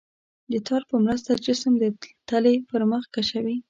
د تار په مرسته جسم د تلې پر مخ کشوي.